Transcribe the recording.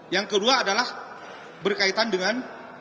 yang kedua adalah berkaitan dengan